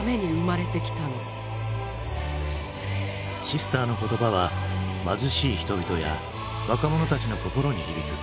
シスターの言葉は貧しい人々や若者たちの心に響く。